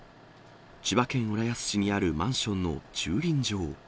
千葉県浦安市にあるマンションの駐輪場。